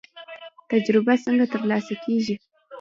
تجربه څنګه ترلاسه کیږي؟